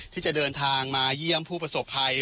ที่จะเดินทางมาเยี่ยมผู้ประสบภัย